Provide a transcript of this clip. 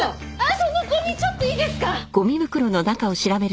そのゴミちょっといいですか？